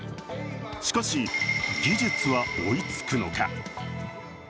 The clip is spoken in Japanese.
しかし、技術は追いつくのか。